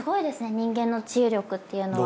人間の治癒力っていうのは。